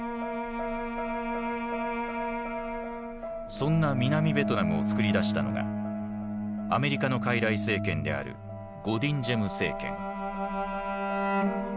そんな南ベトナムをつくり出したのがアメリカの傀儡政権であるゴ・ディン・ジェム政権。